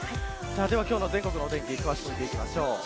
では今日の全国のお天気詳しく見ていきましょう。